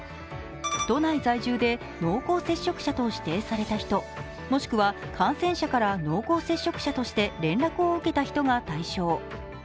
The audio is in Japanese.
都内在住で濃厚接触者として指定された人、もしくは感染者から濃厚接触者として連絡を受けた人が対象。